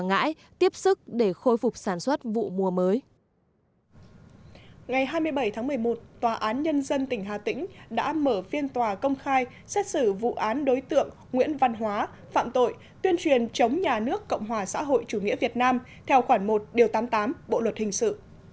ngày hai mươi bảy tháng một mươi một tòa án nhân dân tỉnh hà tĩnh đã mở phiên tòa công khai xét xử vụ án đối tượng nguyễn văn hóa phạm tội tuyên truyền chống nhà nước cộng hòa xã hội chủ nghĩa việt nam theo khoản một tám mươi tám bộ luật hình sự